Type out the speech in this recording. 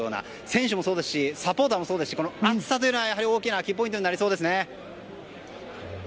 選手もそうですしサポーターもそうですし暑さというのは、大きなキーポイントになりそうです。